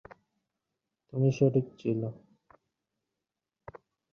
তুমি সঠিক ছিল।